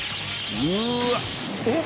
「うわっ」